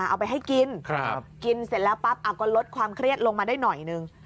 เอาไปให้กินกินเสร็จแล้วปั๊บก็ลดความเครียดลงมาได้หน่อยนึง